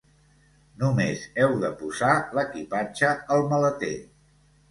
Només heu de posar l'equipatge al maleter